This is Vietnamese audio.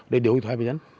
để điều hội thoại với dân